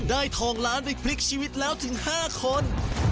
ทองล้านไปพลิกชีวิตแล้วถึง๕คน